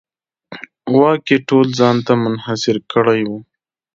واک یې ټول ځان ته منحصر کړی و.